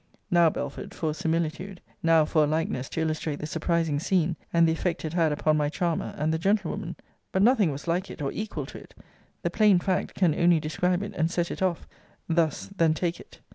Now, Belford, for a similitude now for a likeness to illustrate the surprising scene, and the effect it had upon my charmer, and the gentlewoman! But nothing was like it, or equal to it. The plain fact can only describe it, and set it off thus then take it.